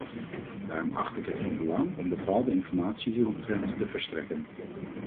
Daarom acht ik het van belang om bepaalde informatie hieromtrent te verstrekken.